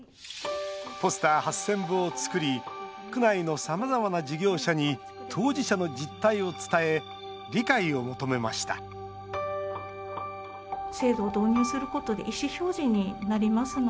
ポスター８０００部を作り区内のさまざまな事業者に当事者の実態を伝え理解を求めました認定第１号に選ばれたさと子さんたち。